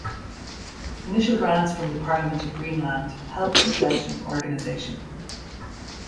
Initial grants from the Parliament of Greenland helped the fledgling organization.